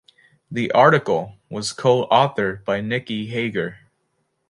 The article was co-authored by Nicky Hager.